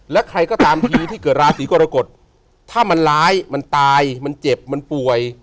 และใครก็ตามทีที่เกิดราศีกรกฎถ้ามันร้ายมันตายมันเจ็บมันป่วย